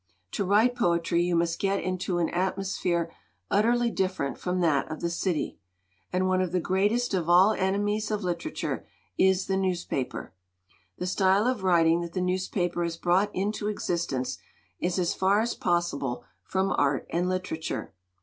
To write poetry you must get into an atmosphere utterly different from that of the city. And one of the greatest of all enemies of literature is the newspaper. The style of writing that the news paper has brought into existence is as far as possible from art and literature.